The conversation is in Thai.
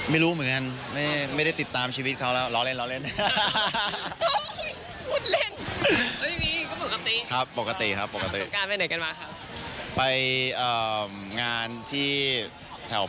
ไม่รู้เหมือนกันไม่ได้ติดตามชีวิตเขาแล้ว